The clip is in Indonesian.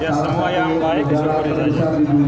ya semua yang baik disyukuri saja